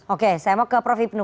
oke saya mau ke prof hipnu